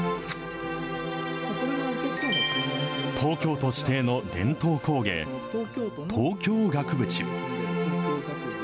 東京都指定の伝統工芸、東京額縁。